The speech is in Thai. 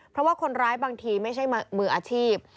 เพราะว่าคนร้ายบางทีไม่ใช่มืออาชีพ